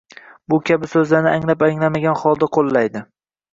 Bu kabi so‘zlarni anglab-anglamagan holda qo‘llaydi.